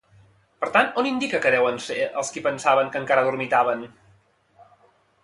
Per tant, on indica que deuen ser els qui pensaven que encara dormitaven?